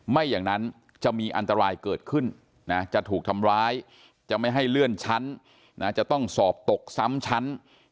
ไม่อย่างนั้นจะมีอันตรายเกิดขึ้นนะจะถูกทำร้ายจะไม่ให้เลื่อนชั้นจะต้องสอบตกซ้ำชั้น